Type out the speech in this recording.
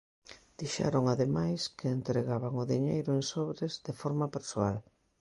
Dixeron, ademais, que entregaban o diñeiro "en sobres" de forma persoal.